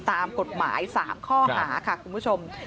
ตามกฎหมาย๓ข้อหาค่ะคุณผู้ชม